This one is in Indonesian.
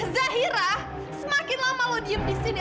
zahira semakin lama lo diem disini